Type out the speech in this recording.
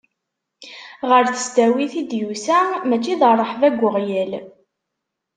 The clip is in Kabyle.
Ɣer tesdawit i d-yusa, mačči d rreḥba n yeɣyal.